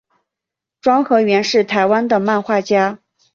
庄河源是台湾的漫画家。